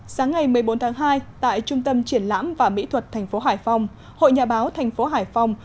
sáng ngày một mươi bốn tháng hai tại trung tâm triển lãm và mỹ thuật tp hải phòng hội nhà báo tp hải phòng